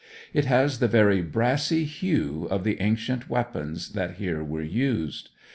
It has the very brassy hue of the ancient weapons that here were used.